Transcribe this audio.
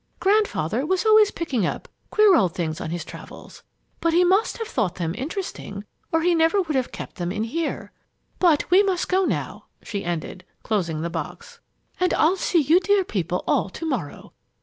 Grandfather was always picking up queer old things on his travels. But he must have thought them interesting, or he never would have kept them in here. But we must go now," she ended, closing the box. "And I'll see you dear people all to morrow.